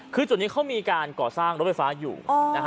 คือจุดนี้เขามีการก่อสร้างรถไฟฟ้าอยู่นะฮะ